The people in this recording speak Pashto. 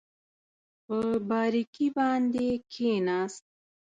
په بارکي باندې کېناست.